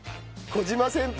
小島先輩